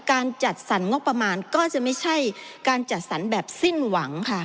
การจัดสรรงบประมาณก็จะไม่ใช่การจัดสรรแบบสิ้นหวังค่ะ